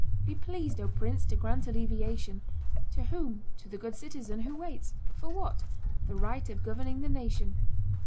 "Be pleased, O prince, to grant alleviation ..." "To whom?" "To the good citizen who waits ..." "For what?" "The right of governing the nation